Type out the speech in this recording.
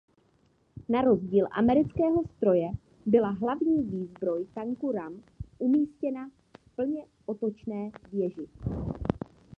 Na rozdíl amerického stroje byla hlavní výzbroj tanku Ram umístěna v plně otočné věži.